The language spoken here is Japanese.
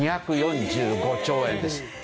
２４５兆円です。